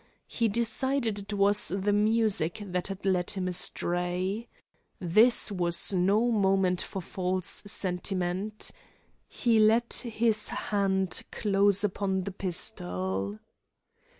He decided it was the music that had led him astray. This was no moment for false sentiment. He let his hand close upon the pistol.